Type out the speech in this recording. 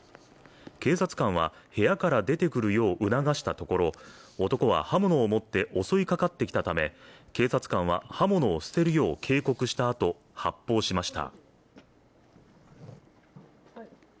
警察官は部屋から出てくるよう促したところ男は刃物を持って襲いかかってきたため、警察官は刃物を捨てるよう警告したあと、発砲しました。